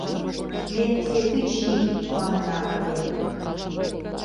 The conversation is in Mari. Ме сетычник манына ыле.